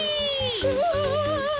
うわ。